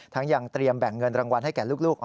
ยังเตรียมแบ่งเงินรางวัลให้แก่ลูก